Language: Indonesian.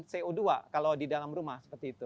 co dua kalau di dalam rumah